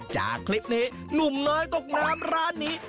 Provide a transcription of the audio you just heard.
จากคลิปนี้หนุ่มน้อยตกน้ำร้านนี้